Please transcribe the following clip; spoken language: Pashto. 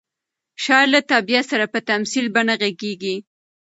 شاعر له طبیعت سره په تمثیلي بڼه غږېږي.